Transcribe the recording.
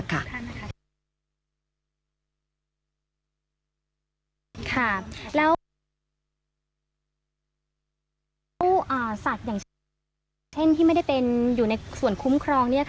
ค่ะแล้วสัตว์อย่างเช่นที่ไม่ได้เป็นอยู่ในส่วนคุ้มครอง